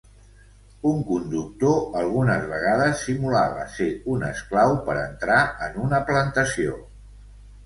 Un conductor algunes vegades simulava ser un esclau per entrar en una plantació.